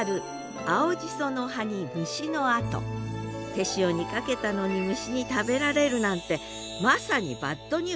手塩にかけたのに虫に食べられるなんてまさにバッドニュース。